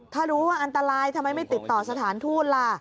ถ้ารู้ว่าอันตรายทำไมไม่ติดต่อสถานทูตล่ะ